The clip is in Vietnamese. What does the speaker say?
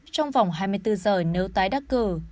trong vòng hai mươi bốn giờ nếu tái đắc cử